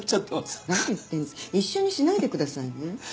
一緒にしないでくださいね。